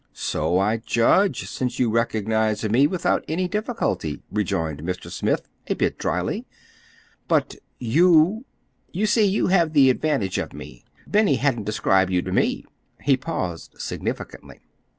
"So I judge, since you recognized me without any difficulty," rejoined Mr. Smith, a bit dryly. "But—YOU—? You see you have the advantage of me. Benny hasn't described you to me." He paused significantly.